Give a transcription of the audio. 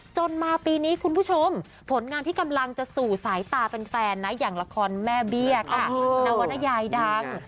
จนมาปีนี้คุณผู้ชมผลงานที่กำลังจะสู่สายตาแฟนนะอย่างละครแม่เบี้ยค่ะนวรรณยายดัง